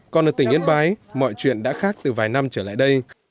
còn ở tỉnh yên bái mọi chuyện đã khác từ vài năm trở lại đây